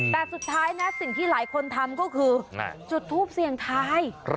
แต่สุดท้ายนะสิ่งที่หลายคนทำก็คือจุดทูปเสี่ยงทาย